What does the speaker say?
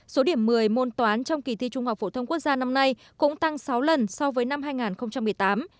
số điểm một mươi môn toán trong kỳ thi trung học phổ thông quốc gia năm nay cũng tăng sáu lần so với năm hai nghìn một mươi tám